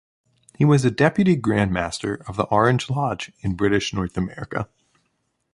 He was a deputy grandmaster of the Orange Lodge in British North America.